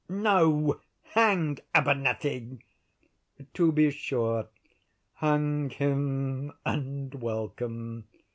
"No; hang Abernethy!" "To be sure! hang him and welcome.